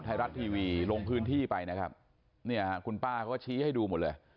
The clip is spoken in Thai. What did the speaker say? ไทยรัฐทีวีลงพื้นที่ไปนะครับเนี่ยฮะคุณป้าเขาก็ชี้ให้ดูหมดเลย